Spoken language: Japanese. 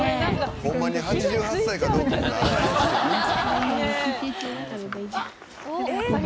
ホンマに８８歳かどうかも怪しい。